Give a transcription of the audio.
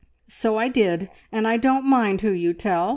"So I did, and I don't mind who you tell.